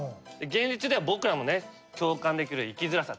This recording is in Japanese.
現実では僕らもね共感できる生きづらさ。